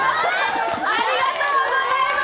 ありがとうございます。